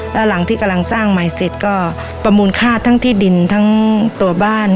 แล้วหลังที่กำลังสร้างใหม่เสร็จก็ประมูลค่าทั้งที่ดินทั้งตัวบ้าน